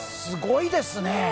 すごいですね！